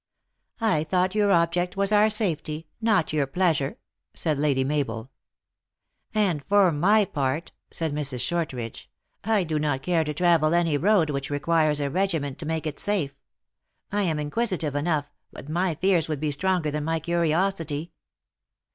" I thought your object was our safety, not your pleasure," said Lady Mabel. " And for my part," said Mrs. Shortridge, " I do not care to travel any road which requires a regiment to make it safe. I am inquisitive enough, but my fears would be stronger than my curiosity."